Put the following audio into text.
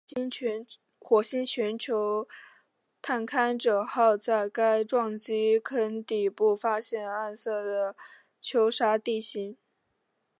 火星全球探勘者号在该撞击坑底部发现暗色的沙丘地形。